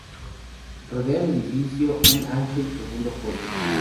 Rodea el edificio un ancho y profundo foso.